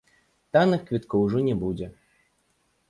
Танных квіткоў ужо не будзе.